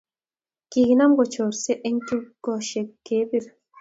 Kikinam ko chorse en tukoshek kebir